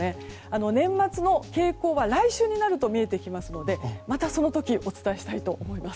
年末の傾向は来週になると見えてきますのでまたその時お伝えしたいと思います。